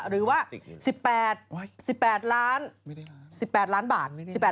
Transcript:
หรือว่า๑๘๑๘ล้านบาท